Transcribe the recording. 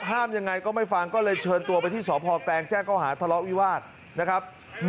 ยังไงก็ไม่ฟังก็เลยเชิญตัวไปที่สพแกลงแจ้งเขาหาทะเลาะวิวาสนะครับ